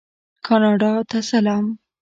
کاناډا ته سلام.